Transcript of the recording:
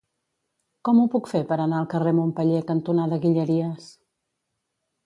Com ho puc fer per anar al carrer Montpeller cantonada Guilleries?